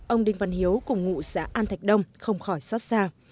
ông đinh văn hiếu cùng ngụ xã an thạch đông không khỏi xót xa